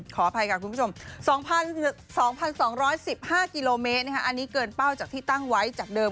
ขออภัยค่ะคุณผู้ชม๒๒๑๕กิโลเมตรอันนี้เกินเป้าจากที่ตั้งไว้จากเดิม